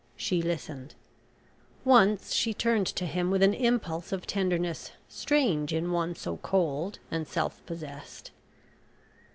She listened. Once she turned to him with an impulse of tenderness strange in one so cold and self possessed.